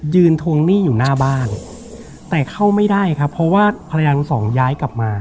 ทวงหนี้อยู่หน้าบ้านแต่เข้าไม่ได้ครับเพราะว่าภรรยาทั้งสองย้ายกลับมา